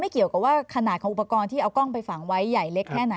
เกี่ยวกับว่าขนาดของอุปกรณ์ที่เอากล้องไปฝังไว้ใหญ่เล็กแค่ไหน